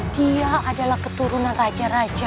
dia adalah keturunan raja raja